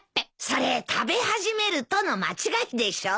それ食べ始めるとの間違いでしょう。